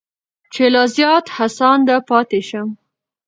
چې لا زیات هڅانده پاتې شم.